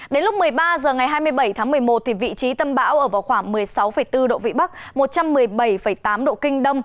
đến lúc một mươi ba h ngày hai mươi bảy tháng một mươi một vị trí tâm bão ở vào khoảng một mươi sáu bốn độ vĩ bắc một trăm một mươi bảy tám độ kinh đông